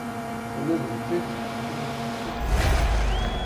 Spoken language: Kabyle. Ula d netta yettkexkix seg teḍsa.